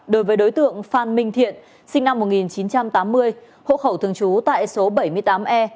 đối với đối tượng phan minh thiện sinh năm một nghìn chín trăm tám mươi hộ khẩu thường trú tại số bảy mươi tám e